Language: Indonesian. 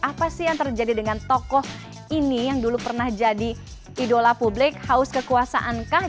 apa sih yang terjadi dengan tokoh ini yang dulu pernah jadi idola publik haus kekuasaankah